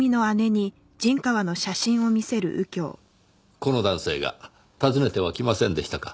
この男性が訪ねては来ませんでしたか？